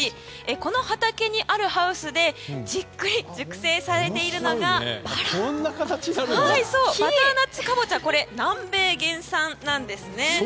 この畑にあるハウスでじっくり熟成されているのがバターナッツカボチャという南米原産のものです。